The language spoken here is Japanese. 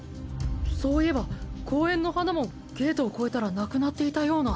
そういえば公園の花もゲートを越えたらなくなっていたような。